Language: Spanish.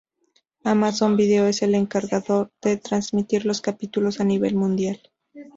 Amazon Video es el encargado de transmitir los capítulos a nivel mundial.